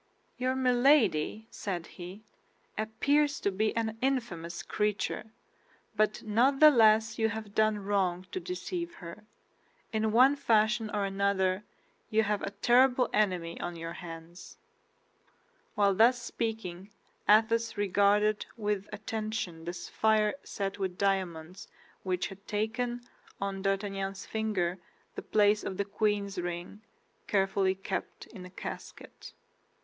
"Your Milady," said he, "appears to be an infamous creature, but not the less you have done wrong to deceive her. In one fashion or another you have a terrible enemy on your hands." While thus speaking Athos regarded with attention the sapphire set with diamonds which had taken, on D'Artagnan's finger, the place of the queen's ring, carefully kept in a casket.